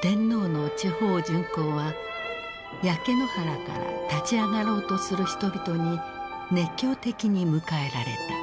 天皇の地方巡幸は焼け野原から立ち上がろうとする人々に熱狂的に迎えられた。